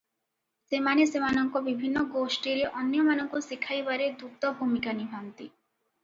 ସେମାନେ ସେମାନଙ୍କ ବିଭିନ୍ନ ଗୋଷ୍ଠୀରେ ଅନ୍ୟମାନଙ୍କୁ ଶିଖାଇବାରେ ଦୂତ ଭୂମିକା ନିଭାନ୍ତି ।